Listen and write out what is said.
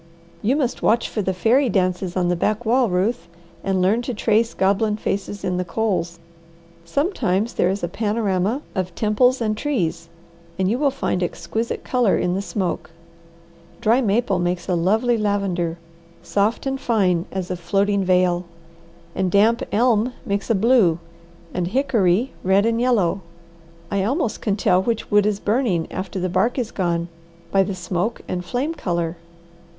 You must watch for the fairy dances on the backwall, Ruth, and learn to trace goblin faces in the coals. Sometimes there is a panorama of temples and trees, and you will find exquisite colour in the smoke. Dry maple makes a lovely lavender, soft and fine as a floating veil, and damp elm makes a blue, and hickory red and yellow. I almost can tell which wood is burning after the bark is gone, by the smoke and flame colour.